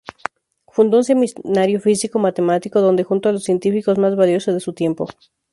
Fundó un seminario físico-matemático, donde juntó a los científicos más valiosos de su tiempo.